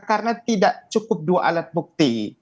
karena tidak cukup dua alat bukti